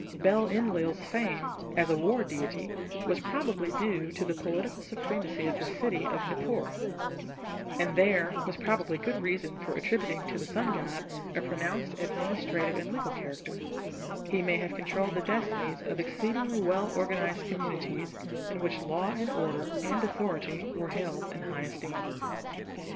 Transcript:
Bel Enlil's fame as a war deity was probably due to the political supremacy of his city of Nippur; and there was probably good reason for attributing to the sun god a pronounced administrative and legal character; he may have controlled the destinies of exceedingly well organized communities in which law and order and authority were held in high esteem.